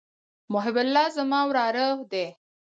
محب الله زما وراره دئ.